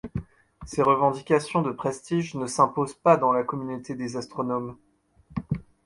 Ces revendications de prestige ne s'imposent pas dans la communauté des astronomes.